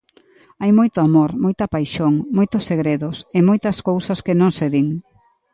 Hai moito amor, moita paixón, moitos segredos, e moitas cousas que non se din.